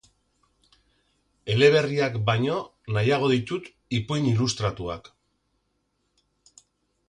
Eleberriak baino, nahiago ditut ipuin ilustratuak.